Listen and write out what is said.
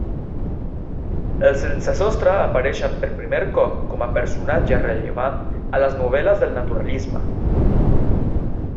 Els sensesostre apareixen per primer cop com a personatge rellevant a les novel·les del naturalisme.